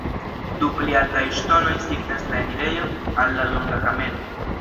Du pli altaj ŝtonoj signas la enirejon al la longa kamero.